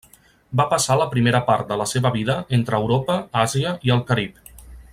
Va passar la primera part de la seva vida entre Europa, Àsia i el Carib.